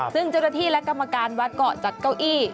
ซึ่งเจ้าหน้าที่และกรรมการวัดเกาะจัดเก้าอี้